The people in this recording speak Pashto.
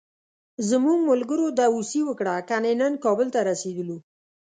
زموږ ملګرو داوسي وکړه، کني نن کابل ته رسېدلو.